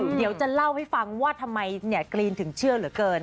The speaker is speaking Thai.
เดี๋ยวจะเล่าให้ฟังว่าทำไมกรีนถึงเชื่อเหลือเกิน